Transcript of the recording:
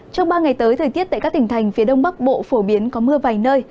trong ba ngày tới thời tiết tại các tỉnh thành phía đông bắc bộ phổ biến có mưa vài nơi